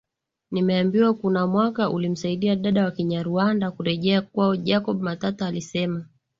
Nimeambiwa kuna mwaka ulimsaidia dada wa Kinyarwanda kurejea kwao Jacob Matata alisema